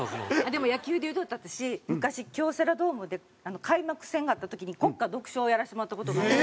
でも野球で言うと私昔京セラドームで開幕戦があった時に国歌独唱をやらせてもらった事があるんですよ。